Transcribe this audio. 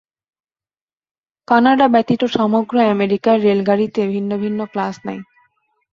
Canada ব্যতীত সমগ্র আমেরিকায় রেলগাড়ীতে ভিন্ন ভিন্ন ক্লাস নাই।